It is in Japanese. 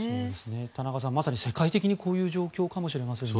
田中さんまさに世界的にこういう状況かもしれないですね。